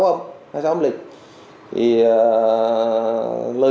và chia trả